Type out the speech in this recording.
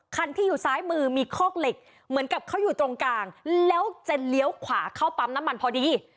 คันที่อยู่ซ้ายมือมีคอกเหล็กเหมือนกับเขาอยู่ตรงกลางแล้วจะเลี้ยวขวาเข้าปั๊มน้ำมันพอดี